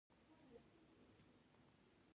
د جهانګیر پاچا زوی خسرو ناکام بغاوت وکړ.